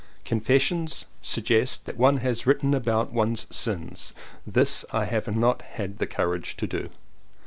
"Confes sions" suggests that one has written about one's sins — this I have not had the courage to do.